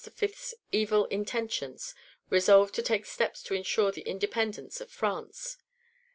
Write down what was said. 's evil intentions, resolved to take steps to ensure the independence of France.